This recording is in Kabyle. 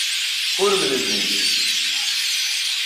Ur mlellint.